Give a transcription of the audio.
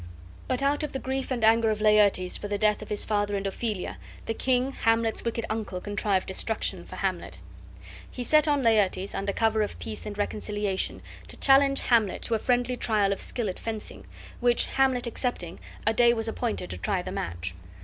But out of the grief and anger of Laertes for the death of his father and Ophelia the king, Hamlet's wicked uncle, contrived destruction for Hamlet. He set on Laertes, under cover of peace and reconciliation, to challenge Hamlet to a friendly trial of skill at fencing, which Hamlet accepting, a day was appointed to try the match.